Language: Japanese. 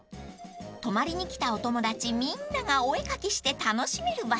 ［泊まりに来たお友達みんながお絵描きして楽しめる場所です］